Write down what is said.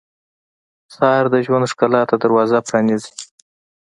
سهار د ژوند ښکلا ته دروازه پرانیزي.